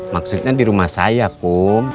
maksudnya di rumah saya kum